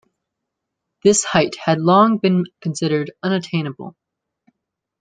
This height had long been considered unattainable.